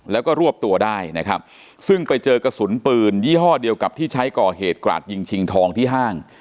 แล้วก็รวบตัวได้นะครับซึ่งไปเจอกระสุนปืนยี่ห้อเดียวกับที่ใช้ก่อเหตุกราดยิงชิงทองที่ห้าง